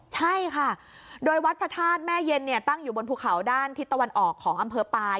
ใช่ค่ะโดยวัดพระธาตุแม่เย็นเนี่ยตั้งอยู่บนภูเขาด้านทิศตะวันออกของอำเภอปลาย